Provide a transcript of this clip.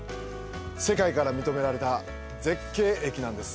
世界から認められた絶景駅なんです。